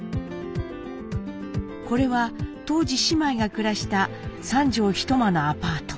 これは当時姉妹が暮らした三畳一間のアパート。